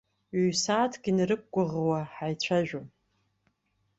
Ҩ-сааҭк инарықәгәыӷуа ҳаицәажәон.